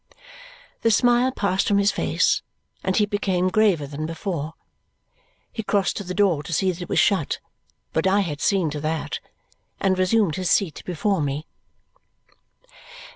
The smile passed from his face, and he became graver than before. He crossed to the door to see that it was shut (but I had seen to that) and resumed his seat before me.